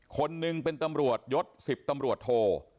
คนหนึ่งเป็นตำรวจยศ๑๐ตำรวจโท